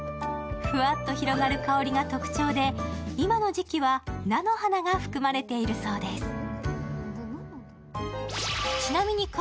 ふわっと広がる香りが特徴で、今の時期は菜の花が含まれているそうです。